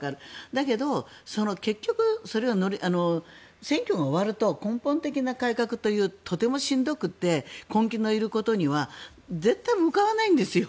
だけど、結局選挙が終わると根本的な改革というとてもしんどくて根気のいることには絶対向かわないんですよ。